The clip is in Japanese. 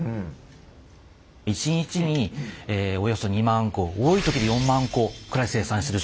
１日におよそ２万個多い時で４万個くらい生産してる商品なんです。